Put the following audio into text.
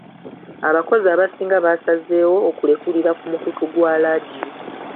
Abakozi abasinga baasazeewo okulekulira ku mukutu gwa laadiyo.